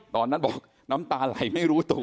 ตอนนั้นบอกน้ำตาไหลไม่รู้ตัว